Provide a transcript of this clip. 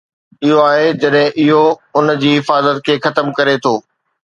اهو آهي جڏهن اهو ان جي حفاظت کي ختم ڪري ٿو.